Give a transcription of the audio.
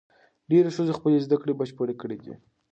ډېرو ښځو خپلې زدهکړې بشپړې کړې دي.